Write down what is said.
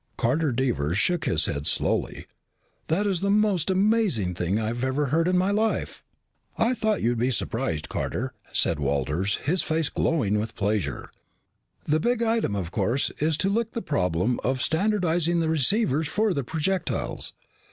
Carter Devers shook his head slowly. "This is the most amazing thing I've ever heard of in my life." "I thought you'd be surprised, Carter," said Walters, his face glowing with pleasure. "The big item, of course, is to lick the problem of standardizing the receivers for the projectiles.